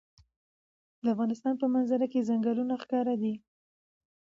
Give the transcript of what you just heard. د افغانستان په منظره کې چنګلونه ښکاره ده.